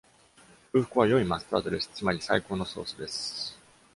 空腹は良いマスタードです。つまり最高のソースです